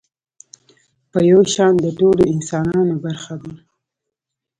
په يو شان د ټولو انسانانو برخه ده.